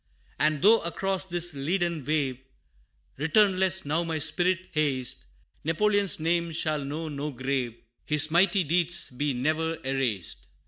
And though across this leaden wave, Returnless now my spirit haste, Napoleon's name shall know no grave, His mighty deeds be ne'er erased.